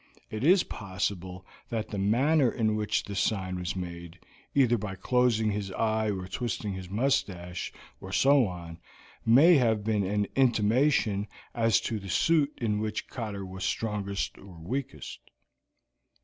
It is possible that the manner in which the sign was made, either by closing his eye or twisting his mustache, or so on, may have been an intimation as to the suit in which Cotter was strongest or weakest."